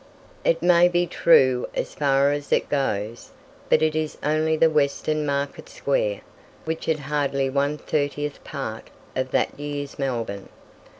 It may be true as far as it goes, but it is only the Western Market square, which had hardly one thirtieth part of that year's Melbourne.